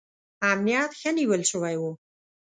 امنیت ښه نیول شوی و.